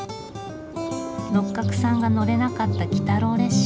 六角さんが乗れなかった鬼太郎列車。